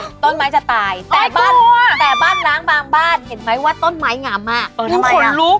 ใช่ต้นไม้จะตายแต่บ้านล้างบางบ้านเห็นไหมว่าต้นไม้หงามมาก